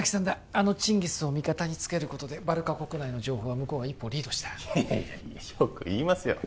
あのチンギスを味方につけることでバルカ国内の情報は向こうが一歩リードしたいやいやいやよく言いますよ